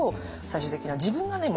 最終的には自分がね